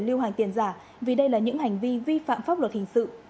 lưu hành tiền giả vì đây là những hành vi vi phạm pháp luật hình sự